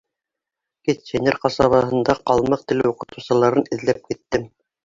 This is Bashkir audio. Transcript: Кетченер ҡасабаһында ҡалмыҡ теле уҡытыусыларын эҙләп киттем.